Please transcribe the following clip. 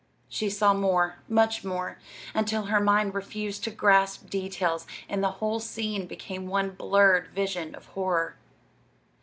She saw more, much more, until her mind refused to grasp details and the whole scene became one blurred vision of horror.